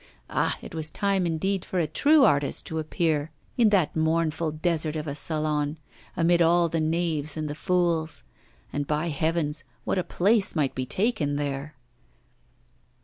Ah! it was time indeed for a true artist to appear in that mournful desert of a Salon, amid all the knaves and the fools. And, by heavens, what a place might be taken there!